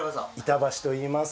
板橋といいます。